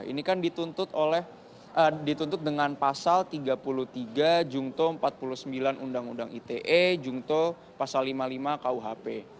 ini kan dituntut dengan pasal tiga puluh tiga jungto empat puluh sembilan undang undang ite jungto pasal lima puluh lima kuhp